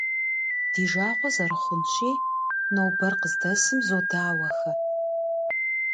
Ди жагъуэ зэрыхъунщи, нобэр къыздэсым зодауэхэ.